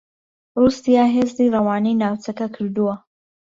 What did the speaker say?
رووسیا هێزی رەوانەی ناوچەکە کردووە